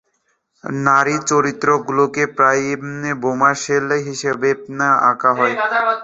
নারী চরিত্রগুলোকে প্রায়ই বোমাশেল হিসেবে আঁকা হয়।